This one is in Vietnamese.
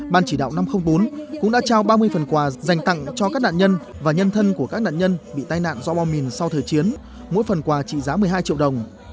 ban chỉ đạo năm trăm linh bốn cũng đã trao ba mươi phần quà dành tặng cho các nạn nhân và nhân thân của các nạn nhân bị tai nạn do bom mìn sau thời chiến mỗi phần quà trị giá một mươi hai triệu đồng